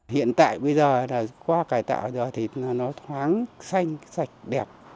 hiện tại bây giờ là qua cải tạo giờ thì nó thoáng xanh sạch đẹp